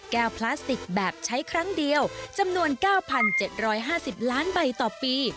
พลาสติกแบบใช้ครั้งเดียวจำนวน๙๗๕๐ล้านใบต่อปี